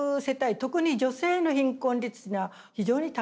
特に女性の貧困率が非常に高い。